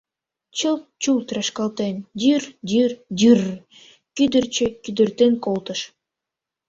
Чылт-чулт рашкалтен, дӱр-дӱр-дӱр-р кӱдырчӧ кӱдыртен колтыш.